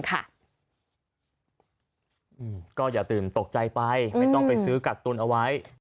ก็อย่าตื่นตกใจไปไม่ต้องไปซื้อกักตุนเอาไว้